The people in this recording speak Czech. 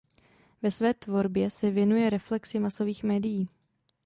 Ve své tvorbě se věnuje reflexi masových médií.